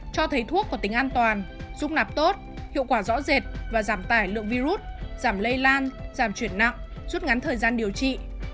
cho thấy thuốc có tính an toàn dung nạp tốt hiệu quả rõ rệt và giảm tải lượng virus giảm lây lan giảm chuyển nặng rút ngắn thời gian điều trị